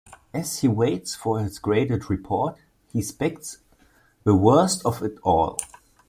As he waits for his graded report, he expects the worst of it all.